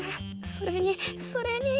それにそれに。